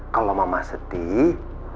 kalau mama sedih